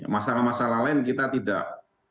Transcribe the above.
masalah masalah lain kita tidak